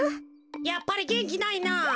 やっぱりげんきないな。